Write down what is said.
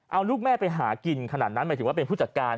เอาลูกแม่ไปหากินขนาดนั้นหมายถึงว่าเป็นผู้จัดการ